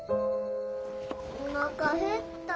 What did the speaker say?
おなか減った。